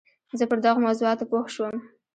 زه پر دغو موضوعاتو پوه شوم.